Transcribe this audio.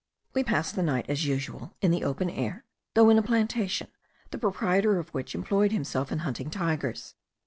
We passed the night as usual, in the open air, though in a plantation, the proprietor of which employed himself in hunting tigers.